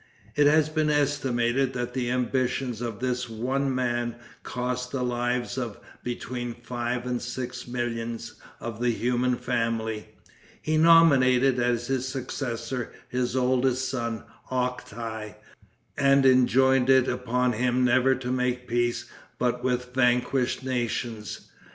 It has been estimated that the ambition of this one man cost the lives of between five and six millions of the human family. He nominated as his successor his oldest son Octai, and enjoined it upon him never to make peace but with vanquished nations.